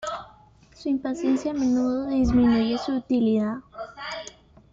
Su impaciencia a menudo disminuye su utilidad.